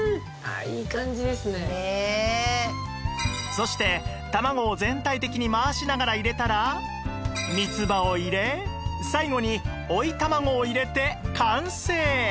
そして卵を全体的に回しながら入れたら三つ葉を入れ最後に追い卵を入れて完成